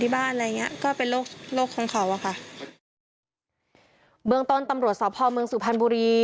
เบื้องต้นตำรวจสาวพ่อเมืองสุภัณฑ์บุรี